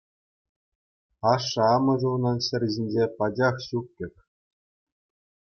Ашшӗ-амӑшӗ унан ҫӗр ҫинче пачах ҫук пек.